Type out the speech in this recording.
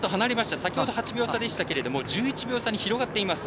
さきほど８秒差でしたが１１秒差に広がっています。